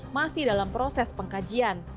masih dalam proses pengkajian